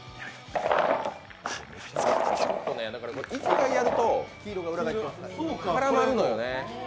１回やると絡まるのよね。